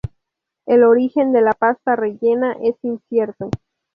El origen de la pasta rellena es incierto.